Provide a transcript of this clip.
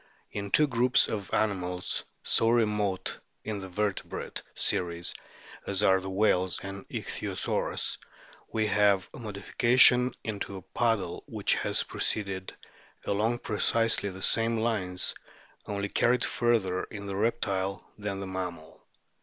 In two groups of animals so remote in the vertebrate series as are the whales and Ichthyo saurs we have a modification into a paddle which has proceeded along precisely the same lines, only carried further in the reptile than in the mammal.